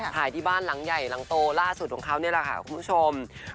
ถ่ายที่บ้านหลังใหญ่หลังโตล่าสุดของเขานี่แหละค่ะคุณผู้ชม